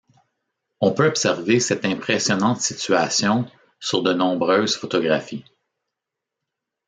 On peut observer cette impressionnante situation sur de nombreuses photographies.